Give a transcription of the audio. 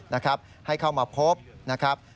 ให้เข้าระไดมาพบครับ